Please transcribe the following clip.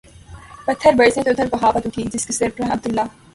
پتھر برسیں تو ادھر بغاوت اٹھی جس کے سربراہ عبداللہ